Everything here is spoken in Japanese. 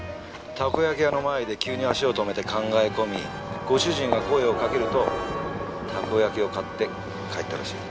たこ焼き屋の前で急に足を止めて考え込みご主人が声をかけるとたこ焼きを買って帰ったらしい。